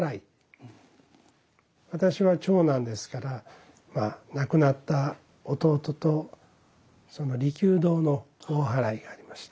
私は長男ですから亡くなった弟と利休堂の大祓がありました。